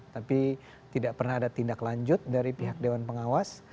tapi tidak pernah ada tindak lanjut dari pihak dewan pengawas